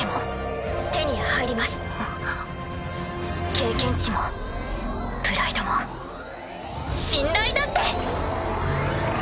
経験値もプライドも信頼だって！